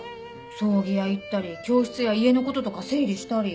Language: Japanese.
葬儀屋行ったり教室や家のこととか整理したり。